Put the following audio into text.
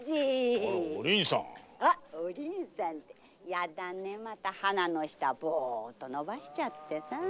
やだねまた鼻の下ぼっとのばしちゃってさ。